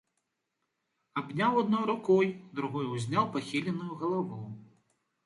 Абняў адной рукой, другой узняў пахіленую галаву.